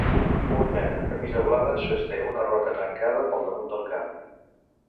Un nen amb camisa blava sosté una roca trencada per damunt del cap.